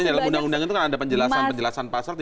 ini dalam undang undang itu kan ada penjelasan penjelasan pasal